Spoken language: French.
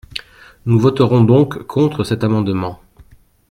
Nous voterons donc contre cet amendement.